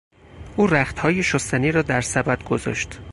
او رختهای شستنی را در سبد گذاشت.